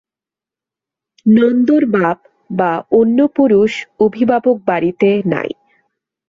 নন্দর বাপ বা অন্য পুরুষ অভিভাবক বাড়িতে নাই।